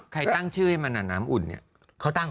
ตั้งชื่อให้มันน้ำอุ่นเนี่ยเขาตั้ง